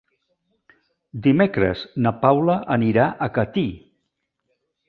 Dimecres na Paula anirà a Catí.